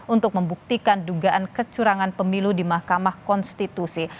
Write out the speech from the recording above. untuk membuktikan dugaan kecurangan pemilu di mahkamah konstitusi